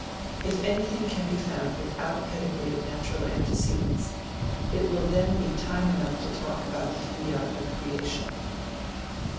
If anything can be found without a pedigree of natural antecedents, it will then be time enough to talk about the fiat of creation.